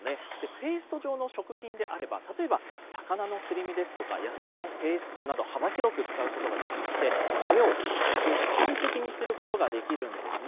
ペースト状の食品であれば、例えば魚のすり身ですとか、野菜のペーストなど、幅広く使うことができまして、それを立体的にすることができるんですね。